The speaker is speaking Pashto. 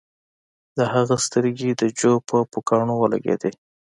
د هغه سترګې د جو په پوکاڼو ولګیدې